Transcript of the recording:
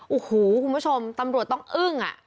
โอ้โหคุณผู้ชมตำรวจต้องอึ้ง